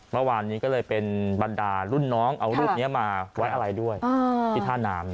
เมื่อวานนี้ก็เลยเป็นบรรดารุ่นน้องเอารูปนี้มาไว้อะไรด้วยที่ท่าน้ำ